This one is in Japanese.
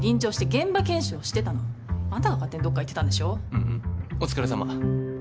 うんうんお疲れさま。